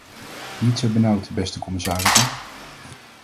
Niet zo benauwd, beste commissarissen!